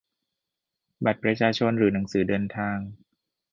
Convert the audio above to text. บัตรประชาชน หรือ หนังสือเดินทาง